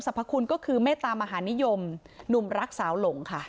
พคุณก็คือเมตตามหานิยมหนุ่มรักสาวหลงค่ะ